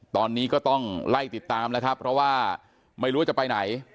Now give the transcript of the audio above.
ตอนนี้ก็ต้องไล่ติดตามแล้วครับเพราะว่าไม่รู้ว่าจะไปไหน